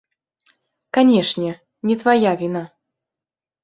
Канешне, не твая віна.